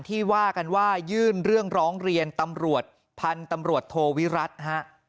ว่ากันว่ายื่นเรื่องร้องเรียนตำรวจพันธุ์ตำรวจโทวิรัติฮะ